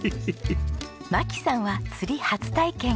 麻季さんは釣り初体験。